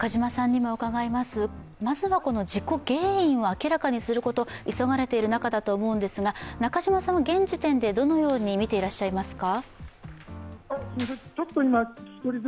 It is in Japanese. まずは事故原因を明らかにすることが急がれている中だと思うんですが、中島さんは現時点でどのように見ていらっしゃいますか？